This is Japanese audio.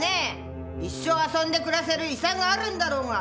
一生遊んで暮らせる遺産があるんだろうが！